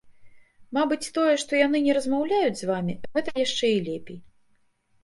Мабыць, тое, што яны не размаўляюць з вамі, гэта яшчэ і лепей.